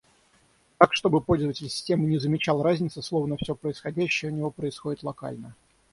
Так, чтобы пользователь системы не замечал разницы, словно все происходящее у него происходит локально